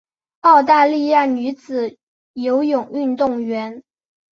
澳大利亚女子游泳运动员。